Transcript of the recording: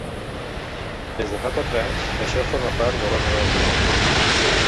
Des de fa quatre anys, això forma part de l’ordre del dia.